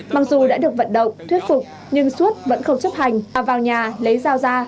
mặc dù đã được vận động thuyết phục nhưng xuất vẫn không chấp hành vào nhà lấy dao ra